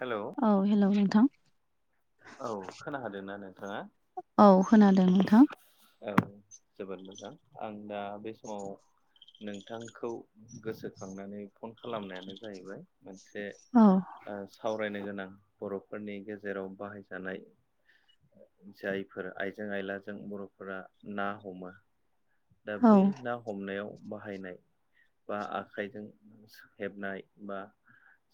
Hello औ hello नोंथां औ खोनाहादोंना नोंथाङा औ खोनादों नोंथां औ जोबोद मोजां आं दा बे समाव नोंथांखौ गोसोखांनानै फन खालामनायानो जाहैबाय मोनसे औ ओ सावरायनो गोनां बर'फोरनि गेजेराव बाहायजानाय जायफोर आइजें आयलाजों बर'फोरा ना हमो दा औ बै ना हमनायाव बाहायनाय बा आखाइजों हेबनाय बा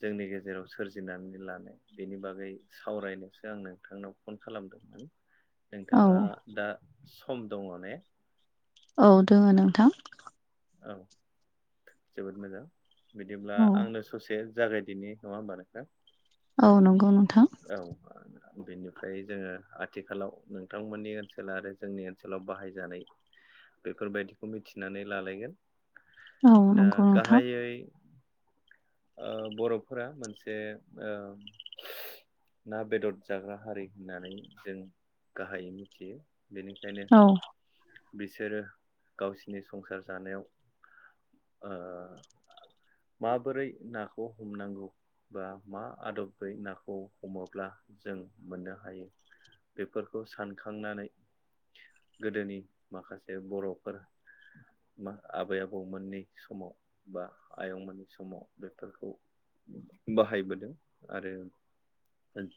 जोंनि गेजेराव सोरजिनानै लानाय बेनि बागै सावरायनो सो आं नोंथांनाव फन खालामदोंमोन औ नोंथाङा दा सम दङ ने औ दोङो नोंथां औ जोबोद मोजां बिदिब्ला औ आंनो ससे जागायदिनि नङा होनबा [unintelligible] औ नंगौ नोंथां औ बिनिफ्राय जोङो आथिखालाव नोंथांमोननि ओनसोल आरो जोंनि ओनसोलाव बाहायजानाय बेफोरबायदिखौ मिथिनानै लालायगोन औ दा नंगौ नोंथां गाहायै बर'फोरा मोनसे ओ ना बेदर जाग्रा हारि होननानै जों गाहायै मिथियो बेनिखायनो औ बिसोरो गावसिनि संसार जानायाव ओ माबोरै नाखौ हमनांगौ बा मा आदबै नाखौ हमोब्ला जों मोननो हायो बेफोरखौ सानखांनानै गोदोनि माखासे बर'फोर मा आबै आबौमोननि समाव बा आयंमोननि समाव बेफोरखौ बाहायबोदों आरो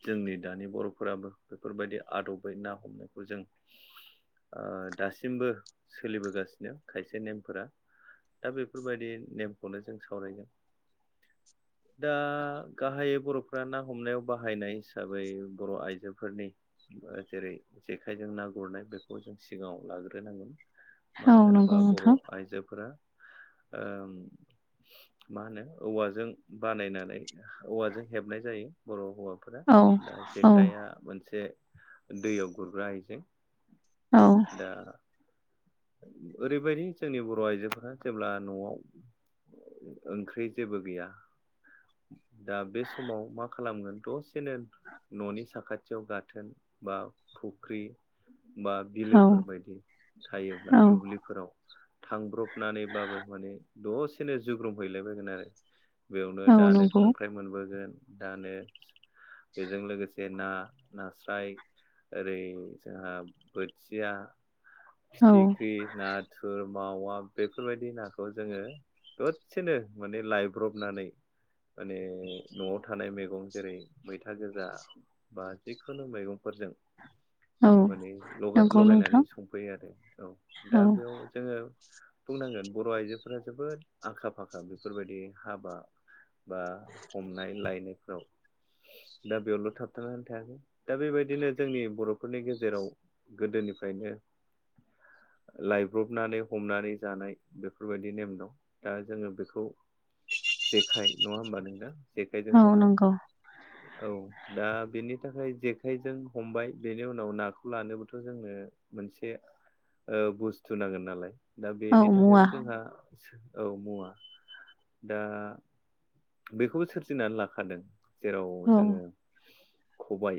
जोंनि दानि बर'फोराबो बेफोरबायदि आदबै ना हमनायखौ जों ओ दासिमबो सोलिबोगासिनो खायसे नेमफोरा दा बेफोरबायदि नेमखौनो जों सावरायगोन दा गाहायै बर'फ्रा ना हमनायाव बाहायनाय हिसाबै बर' आइजो फोरनि जेरै जेखायजों ना गुरनाय बेखौ जों सिगाङाव लाग्रोनांगोन औ मानो होनोबा नंगौ बर' नोंथां आइजोफोरा ओ मा होनो औवाजों बानायनानै औवाजों हेबनाय जायो बर' हौवा फोरा औ दा औ जेखाइआ मोनसे दैयाव गुरग्रा आइजें औ दा ओरैबायदि जोंनि बर' आइजोफोरा जेब्ला न'आव ओंख्रि जेबो गैया दा बे समाव मा खालामगोन दस सेनो न'नि साखाथियाव गाथोन बा फुख्रि बा औ बिलोफोरबायदि थायोब्ला औ दुब्लिफोराव थांब्रबनानैबाबो माने दसेनो जुग्रोमहैलाबायगोन आरो बेयावनो औ दानो नंगौ खांख्राइ मोनबोगोन दानो बेजों लोगोसे ना नास्राय ओरै जोंहा बोथिया औ फिथिख्रि नाथुर मावा बेफोरबायदि नाखौ जोङो दसेनो माने लायब्रबनानै माने न'आव थानाय मैगं जेरै मैथा गोजा बा जिखुनु मैगंफोरजों औ माने लगा नंगौ लगायनानै नोंथां संफायो आरो औ औ दा बेयाव जोङो बुंनांगोन बर' आइजोफोरा जोबोद आखा फाखा बेफोरबायदि हाबा बा हमनाय लायनायफोराव दा बेयावल' थाबथा थायाखै दा बेबायदिनो जोंनि बर'फोरनि गेजेराव गोदोनिफ्रायनो लायब्रबनानै हमनानै जानाय बेफोरबायदि नेम दं दा जोङो बेखौ जेखाय नङा होमबा नोंथां जेखाइजों औ हमो नंगौ औ दा बेनि थाखाय जेखाइजों हमबाय बेनि उनाव नाखौ लानोबोथ' जोंनो मोनसे ओ बुस्थु नांगोन नालाय दा औ बेनि मुवा थाखायबो जोंहा औ मुवा दा बेखौबो सोरजिनानै लाखादों जेराव औ जोङो खबाइ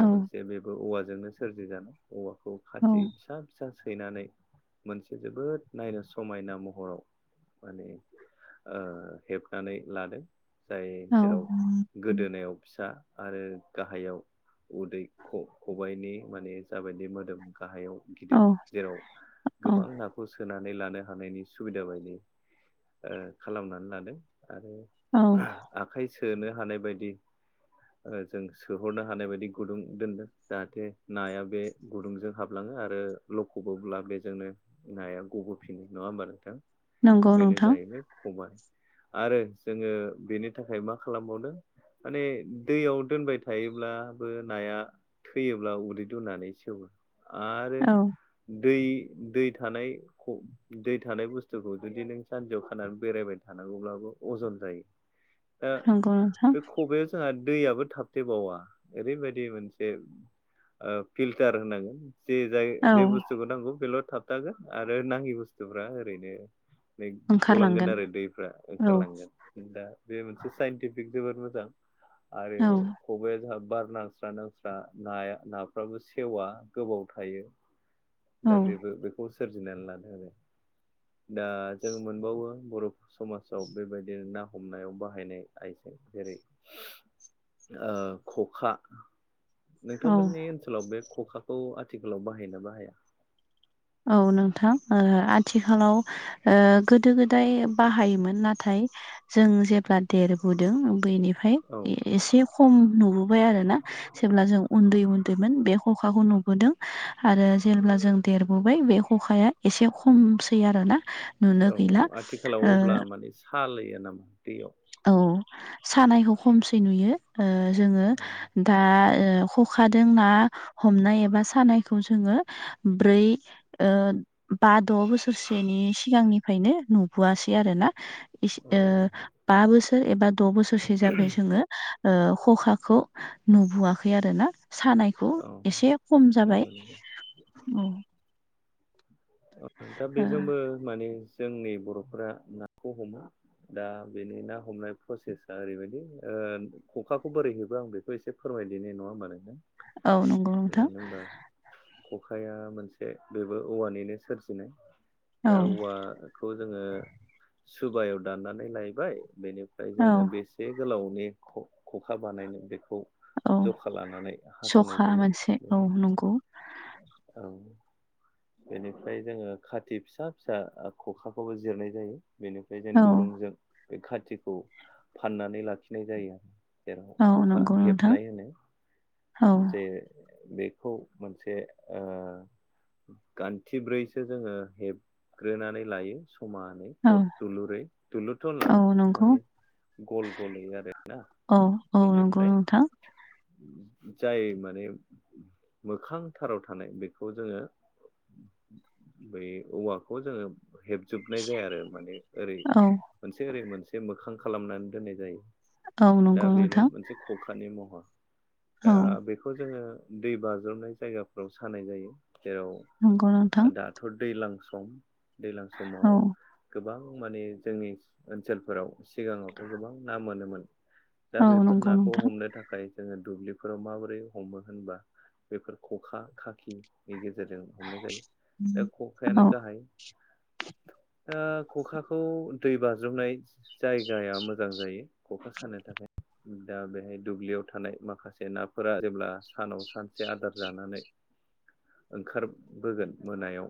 औ मोनसे बे औवाजोंनो सोरजि जानाय औवाखौ औ खाथि जि फिसा फिसा सैनानै मोनसे जोबोद नायनो समायना महराव माने ओ हेबनानै लादों जाय औ जेराव गोदोनायाव फिसा आरो गाहायाव उदै खबाइनि माने जाबायदि मोदोम गाहायाव औ गिदिर जेराव औ गोबां ना खौ सोनानै लानो हानायनि सुबिदा बायदि ओ खालामनानै लादों आरो औ आखाइ सोनो हानाय बायदि जों सोहरनो हानाय बायदि गुदुं दोनदों जाहाथे नाया बे गुदुंजों हाब लाङो आरो लखबोब्ला जोंनो नाया गबोफिनो नङा होमबा नोंथां नंगौ बेनो नोंथां जाहैबाय खबाय आरो जोङो बेनि थाखाय मा खालामबावदों माने दैयाव दोनबाय थायोब्लाबो नाया थैयोब्ला उदै दुनानै सेवो आरो औ दै दै थानाय ख दै थानाय बुस्थुखौ जुदि नों सानसेयाव खानानै बेरायबाय थानांगौब्लाबो अजन जायो दा नंगौ नोंथां बे खबयाव जोंहा दैयाबो थाबथेबावा ओरैबायदि मोनसे ओ फिल्टार होननांगोन जे जाय औ जे बुस्थुखौ नांगौ बेल' थाबथागोन आरो नाङि बुस्थुफ्रा ओरैनो गलांगोन ओंखारलांगोन आरो दैफ्रा औ ओंखारलांगोन दा बे मोनसे साइनटिफिक जोबोद मोजां आरो औ खबाइाया जोंहा बार नांस्रा नांस्रा नाया नाफ्राबो सेवा गोबाव थायो। दा औ बेबो बेखौ सोरजिनानै लादों आरो दा जों मोनबावो बर' समाजाव बेबायदिनो ना हमनायाव बाहायनाय आइजें जेरै खंखा औ नोंथांमोननि ओनसोलाव बे खखाखौ आथिखालाव बाहायोना बाहाया औ नोंथां आथिखालाव गोदो गोदाय बाहायोमोन नाथाय जों जेब्ला देरबोदों बेनिफ्राय औ ओमफ्राय एसे खम नुबोबाय आरो ना जेब्ला जों उन्दै उन्दैमोन बे खखाखौ नुबोदों आरो जेब्ला जों देर नुबोबाय बे खखाया एसे खमसै आरोना नुनो गैला सायो नामा दैयाव औ सानायखौ खमसै नुयो जोङो। औ दा खखाजों ना हमनाय एबा सानायखौ जोङो। ब्रै बा द बोसोरसेनि सिगांनिफ्रायनो नुबोआसै आरो ना औ बा बोसोर एबा द' बोसोरसो जाबाय जोङो। खखाखौ नुबोआखै आरोना सानाय बेखौ औ एसे खम जाबाय नंगौ नंगौ औ। दा बेजोंबो माने जोंनि बर'फोरा नाखौ हमो। दा बेनि ना हमनाय प्रसेसा ओरैबायदि खखाखौ बोरै हबो आं बेखौ एसे फोरमायदिनाय नङा होनबा नोंनो ओ औ नंगौ नोंथां जानो हबा खखाया मोनसे बेबो औवानिनो सोरजिनाय औ दा औवा खौ जोङो सुबायाव दाननानै लायबाय बेनिफ्राय औ जोंनो बेसे जे गोलावनि खखा बानायनो बेखौ औ जखा लानानै हासनाय जायो बेनो नोंखौ औ। बेनिफ्राय जोङो खाति फिसा फिसा खखाखौबो जिरनाय जायो बेनि ओफ्राय जों औ दुरुंजों बे खाथिखौ फाननानै लाखिनाय जायो आरो। जेराव औ खखा नंगौ नोंथां हेबनाय होनो। औ जे बेखौ मोनसे गान्थिब्रैसो जोङो हेबग्रोनानै लायो समान। औ क थुलुरै थुलुरथ' ला औ बेखौ नंगौ माने गल गलयै आरो ना। औ औ नंगौ नोंथां। उम। जाय माने मोखांथाराव थानाय बेखौ जोङो। बै औवाखौ जोङो हेबजोबनाय जाया आरो माने ओरै औ मोनसे ओरै मोनसे मोखां खालामनानै दोननाय जायो औ दा नंगौ बेनो नोंथां मोनसे खखानि मह दा औ बेखौ जोङो दै बाज्रबनाय जायगाफ्राव सानाय जायो नंगौ नोंथां जेराव दाथ' दैज्लां सम दैज्लां समाव औ गोबां माने जोंनि ओनसोलफोराव सिगाङावथ' गोबां ना मोनोमोन। दा औ बेफोर नंगौ नाखौ नोंथां हमनो थाखाय जोङो दुब्लि फोराव माबोरै हमो होनबा बेफोर खखा खाखिनि गेजेरजों हमनाय जायो दा औ खखायानो गाहाय खखाखौ दै बाज्रुमनाय जायगाया मोजां जायो। खखा सानो थाखाय दा बेहाय दुब्लियाव थानाय माखासे नाफोरा जेब्ला सानाव सानसे आदार जानानै ओंखारबोगोन मोनायाव।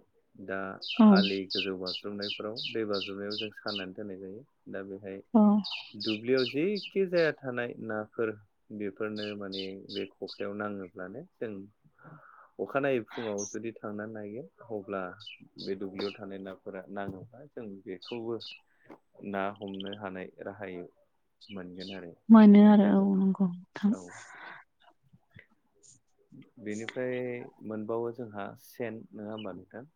दा औ आलि गोजौ बाज्रुमनायफोराव दै बाज्रुमनायाव जों साननानै दोननाय जायो दा बेहाय। औ दुब्लियाव जेखि जाया थानाय नाफोर बेफोरनो माने। बे खखायाव नाङोब्लानो जों अखानायै फुङाव जुदि थांनानै नागिर अब्ला बे दुब्लियाव थानाय नाफोरा नाङोबा जों बेखौबो। ना हमनो हानाय राहाय मोनगोन आरो। मोनो आरो मोनजागोन औ नंगौ। औ [unintelligible] बेनिफ्राय मोनबावो जोंहा सेन नङा होमबा नोंथां।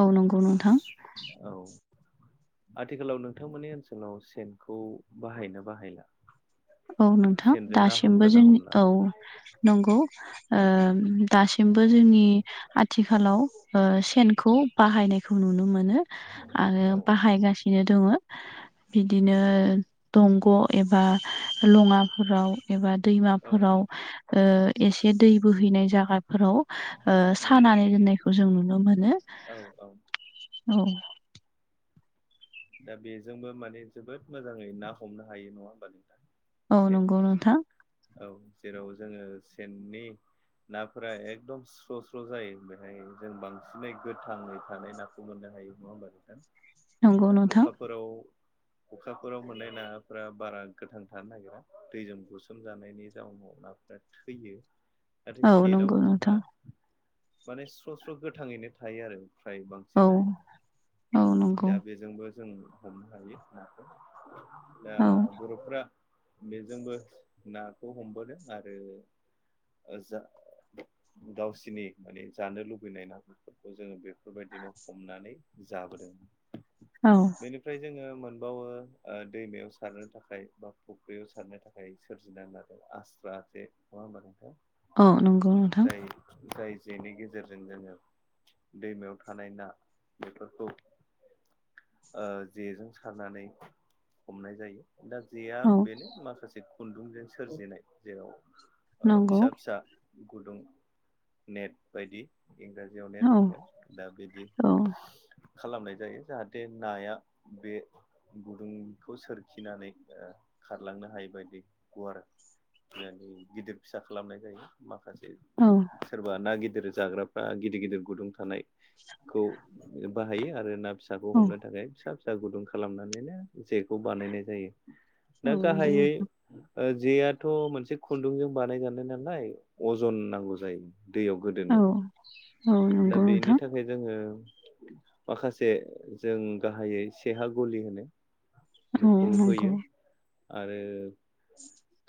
औ नंगौ नंगौ। औ। आथिखालाव नोंथांमोननि ओनसोलाव सेनखौ बाहायनो बाहायला औ नोंथां सेनजों ना दासिमबो हमगोन ना जोंनि हमला औ नंगौ। दासिमबो जोंनि आथिखालाव सेनखौ बाहायनायखौ नुनो मोनो। आरो औ बाहायगासिनो दोङो बिदिनो दंग' एबा लङाफोराव। एबा औ दैमाफोराव एसे दै बोहैनाय जायागाफोराव नंगौ सानानै दोननायखौ जों नुनो मोनो। औ औ। औ। दा बेजोंबो माने जोबोद मोजाङै ना हमनो हायो नङा होमबा नोंथां। औ सेन नंगौ नोंथां औ जेराव जोङो सेननि नाफोरा एकदम स्र' स्र' जायो बेहाय जों बांसिनै गोथाङै थानाय नाखौ मोननो हायो नङा होमबा नोंथां। नंगौ दा नोंथां खखाफोरा अखाफोराव मोननाय नाफोरा बारा गोथां थानो नागिरा दैजों बुसोम जानायनि जाउनाव नाफोरा। थैयो। नाथाय औ नंगौ सेनावबा जोंहा नोंथां माने स्र' स्र' गोथाङैनो थायो आरो। फ्राय औ बांसिन औ नंगौ दा बेजोंबो जों हमनो हायो नाखौ दा औ बर'फ्रा। बेजोंबो नाखौ हमबोदों आरो। जा गावसिनि माने जानो लुबैनाय नाफोरखौ जोङो बे बेफोरबायदिनो हमनानै जाबोदों। औ। बेनिफ्राय जोङो मोनबावो दैमायाव सारनो थाखाय बा फुख्रियाव सारनो थाखाय। मफ्राय सोरजिनांगोन आरो आस्रा जे नङा होमबा नोंथां। औ नंगौ नोंथां। जाय जाय जेनि गेजेरजों जोङो दैमायाव थानाय ना बेफोरखौ। जेजों सारनानै हमनाय जायो दा जेया औ बेनो माखासे। खुन्दुंजों सोरजिनाय जेराव नंगौ फिसा फिसा। गुदुं नेट बायदि इंराजि। जवनाया औ दोनगोन दा बिदि औ खालामनाय जायो जाहाथे। नाया बे गुदुंखौ सोरखिनानै खारलांनो हायैबायदि गुवार माने गिदिर फिसा खालामनाय जायो माखासे। औ। सोरबा ना गिदिर जाग्राफ्रा गिदिर गिदिर गुदुं थानायखौ हायो आरो ना फिसाखौ औ हमनो थाखाय फिसा फिसा गुदुं खालामनानैनो जेखौ बानायनाय जायो। औ दा नंगौ गाहायै जेआथ' मोनसे खुन्दुंजों बानायजानाय नालाय। अजन नांगौ जायो दैयाव औ गोदोनो औ दा नंगौ बेनि नोंथां था फ्राय जोङो माखासे जों गाहायै सेहा गलि होनो औ बेखौ नंगौ होयो आरो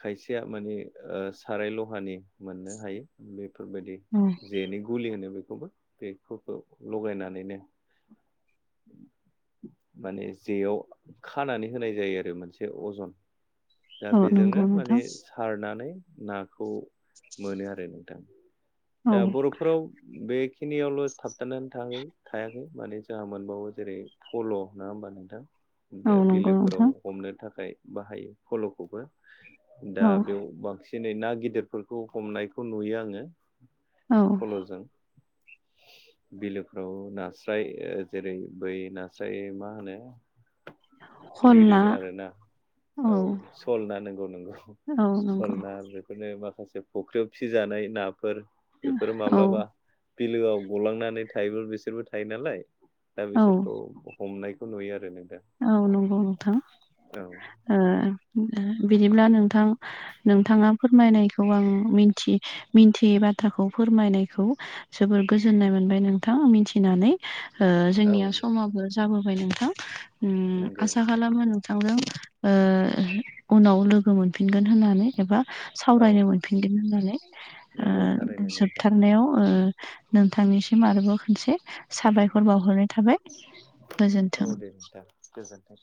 खायसेया माने ओ साराय लहानि मोननो हायो बेफोरबायदि औ जेनि गुलि होनो बे खौबो बेखौबो लगायनानैनो माने जेयाव खानानै होनाय जायो आरो मोनसे अजन दा औ बेजोंनो नंगौ माने नोंथां सारनानै नाखौ मोनो आरो नोंथां औ दा बर'फोराव बेखिनियावल' थाबथानानै थाङाखै थायाखै माने जोंहा मोनबावो जेरै फल' नङा होमबा औ नोंथां नंगौ बिलोफोराव नोंथां हमनो थाखाय बाहायो फल'खौबो दा औ बेयाव बांसिनै ना गिदिरफोरखौ हमनायखौ नुयो आङो औ फल'जों बिलोफ्राव नास्राय जेरै बै नास्राय मा होनो गिदिर खनला गिदिर आरो ना औ सल ना नंगौ नंगौ औ नंगौ सल ना बे फोरनो माखासे फख्रियाव फिजानाय नाफोर बेफोरो औ माब्लाबा बिलोआव गलांनानै थायोबो बिसोरबो थायो नालाय दा औ बिसोरखौ हमनायखौ नुयो आरो नोंथां औ नंगौ नोंथां औ ओ बिदिब्ला नोंथां नोंथाङा फोरमायनायखौ आं मिथि मिन्थियै बाथ्राखौ फोरमायनायखौ जोबोर गोजोननाय मोनबाय नोंथां मिथिनानै ओ औ जोंनिया समाबो जाबोबाय नोंथां नंगौ आसा खालामो थांदों ओ उनाव लोगो मोन फिनगोन होननानै एबा औ सावरायनो मोनफिनगोन होननानै ओ नंगौ थारैनो नोंथां जोबथारनायाव ओ नोंथांनिसिम आरोबाव खनसे साबायखर बावहरनाय थाबाय गोजोन्थों [unintelligible] गोजोन्थों